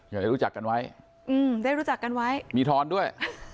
อยากจะรู้จักกันไว้อืมได้รู้จักกันไว้มีทอนด้วย